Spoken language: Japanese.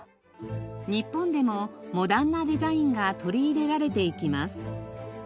日本でもモダンなデザインが取り入れられていきます。